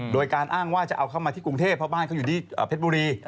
โดยการอ้างว่าจะเอาเข้ามาที่กรุงเทพเพราะบ้านเขาอยู่ที่เพชรบุรี